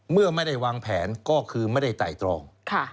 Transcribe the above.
เมื่อไม่ได้วางแผนก็คือไม่ได้ไต่ตรอง